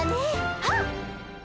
はっ！